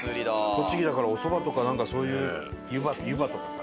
栃木だからおそばとかなんかそういう湯葉湯葉とかさ。